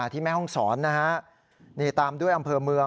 ที่แม่ห้องศรนะฮะนี่ตามด้วยอำเภอเมือง